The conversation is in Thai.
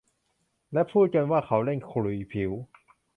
และพูดกันว่าเขาเล่นขลุ่ยผิว